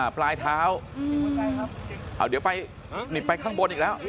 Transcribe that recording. ภาษาเท้านิดไปข้างบนอีกแล้ว